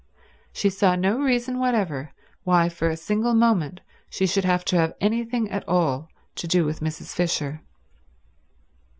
She saw no reason whatever why for a single moment she should have to have anything at all to do with Mrs. Fisher.